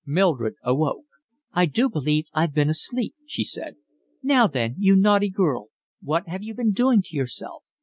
Mildred awoke. "I do believe I've been asleep," she said. "Now then, you naughty girl, what have you been doing to yourself?